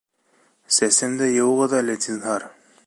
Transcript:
Сәсемде йыуығыҙ әле, зинһар